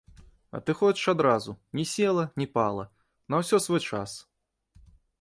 А ты хочаш адразу, ні села, ні пала, на ўсё свой час.